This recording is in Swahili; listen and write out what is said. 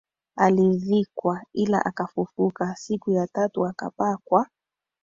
alizikwa ila akafufuka siku ya tatu akapaa kwa